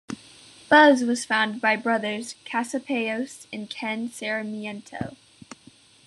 Phuz was founded by brothers Casapaos and Ken Sarmiento.